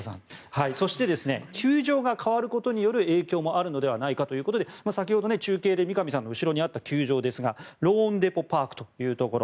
そして、球場が変わることによる影響もあるのではないかということで先ほど、中継で三上さんの後ろにあった球場ですがローンデポ・パークというところ。